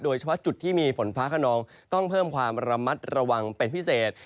โดยเฉพาะจุดที่มีฝนฟ้าขนองต้องเพิ่มความระมัดระวังเป็นพิเศษ